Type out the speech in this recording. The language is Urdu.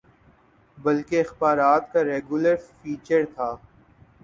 بلکہ اخبارات کا ریگولر فیچر تھا۔